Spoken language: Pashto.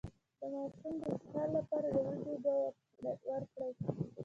د ماشوم د اسهال لپاره د وریجو اوبه ورکړئ